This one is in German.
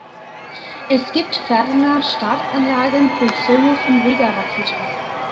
Es gibt ferner Startanlagen für Sojus- und Vega-Raketen.